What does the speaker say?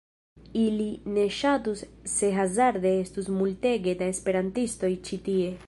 Ili ne ŝatus se hazarde estus multege da esperantistoj ĉi tie.